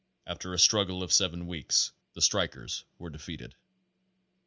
After a struggle of seven weeks the strikers were defeated.